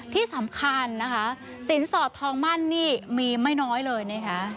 ที่สำคัญนะคะสินสอดทองมั่นนี่มีไม่น้อยเลยนะคะ